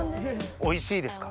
おいしいですか？